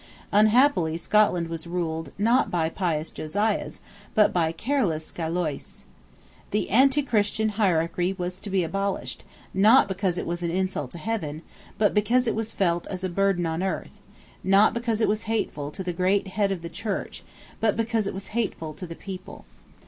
Unhappily, Scotland was ruled, not by pious Josiahs, but by careless Gallios. The antichristian hierarchy was to be abolished, not because it was an insult to heaven, but because it was felt as a burden on earth; not because it was hateful to the great Head of the Church, but because it was hateful to the people.